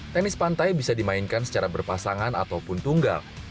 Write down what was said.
tenis pantai bisa dimainkan secara berpasangan ataupun tunggal